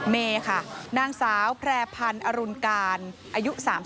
เมค่ะนางสาวแพร่พันธุ์อรุณการอายุ๓๓